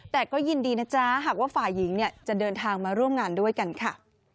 แต่ก็ยินดีนะจ๊ะหากว่าฝ่ายหญิงจะเดินทางมาร่วมงานด้วยกันค่ะ